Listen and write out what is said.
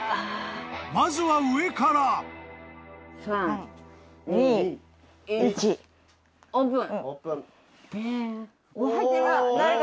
［まずは上から］３２１オープン。